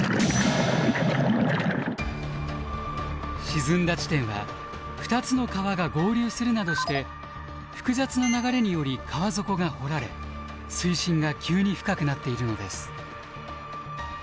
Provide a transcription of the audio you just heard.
沈んだ地点は２つの川が合流するなどして複雑な流れにより川底が掘られ水深が急に深くなっているのです。